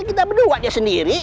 kita berdua aja sendiri